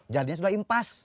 jadinya sudah impas